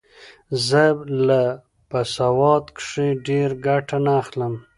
زه له په سواد کښي ډېره ګټه نه اخلم.